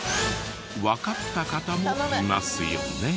わかった方もいますよね？